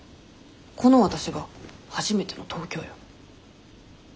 このわたしが初めての東京よ？